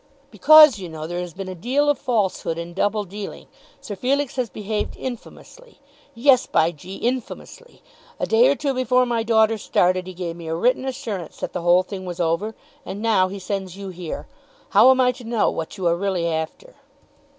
"Because, you know, there has been a deal of falsehood and double dealing. Sir Felix has behaved infamously; yes, by G , infamously. A day or two before my daughter started, he gave me a written assurance that the whole thing was over, and now he sends you here. How am I to know what you are really after?"